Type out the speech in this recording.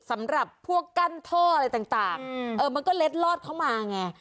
สำหรับพวกกั้นท่ออะไรต่างมันก็เล็ดลอดเข้ามาไง